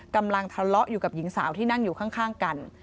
กำลังทะเลาะอยู่กับหญิงสาวที่นั่งอยู่ข้างกัน